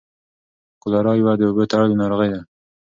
کولرا یوه د اوبو تړلۍ ناروغي ده.